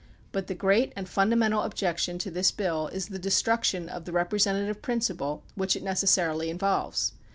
But the great and fundamental objection to this biU is the destruction of the representative principle which it necessarily involves.